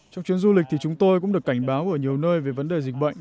trong chuyến du lịch thì chúng tôi cũng được cảnh báo ở nhiều nơi về vấn đề dịch bệnh